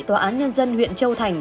tòa án nhân dân huyện châu thành